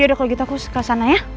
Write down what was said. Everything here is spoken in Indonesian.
ya udah kalo gitu aku ke sana ya